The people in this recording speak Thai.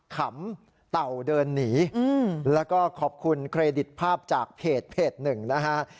ขำเต่าเดินหนีแล้วก็ขอบคุณเครดิตภาพจากเพจหนึ่งนะฮะ